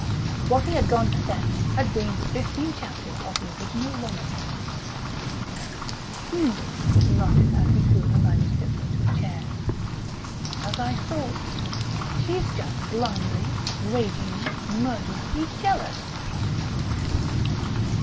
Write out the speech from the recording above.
What he had gone to fetch had been the fifteen chapters of the original Romilly. "Hm!" he muttered as he threw the manuscript into a chair.... "As I thought.... She's just blindly, ragingly, murderously jealous."